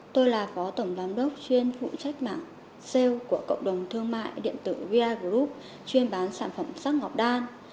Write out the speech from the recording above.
tôi là phó tổng giám đốc chuyên phụ trách mạng sale của cộng đồng thương mại điện tử vi group chuyên bán sản phẩm sắc ngọc đan